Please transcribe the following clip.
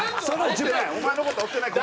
お前の事追ってないから。